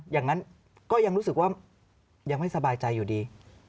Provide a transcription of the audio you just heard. อย่างนั้นก็ยังรู้สึกว่ายังไม่สบายใจอยู่ดี